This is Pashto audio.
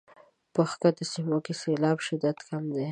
په ښکته سیمو کې د سیلاب شدت کم کړي.